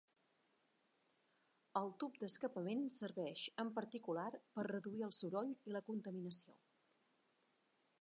El tub d'escapament serveix, en particular, per reduir el soroll i la contaminació.